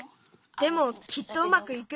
でもきっとうまくいく。